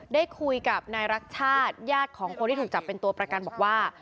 ได้คุยกับนายรักชาติญาติของคนที่ถูกจับเป็นตัวประกันบอกว่า